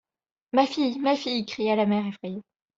Ma fille! ma fille ! cria la mère effrayée.